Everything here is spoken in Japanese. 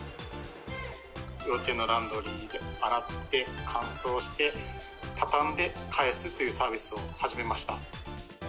幼稚園のランドリーで洗って、乾燥して、畳んで返すというサービスを始めました。